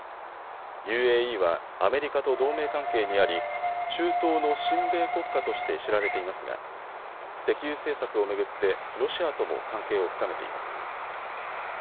ＵＡＥはアメリカと同盟関係にあり中東の親米国家として知られていますが石油政策を巡ってロシアとも関係を深めています。